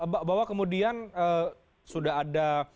bapak kemudian sudah ada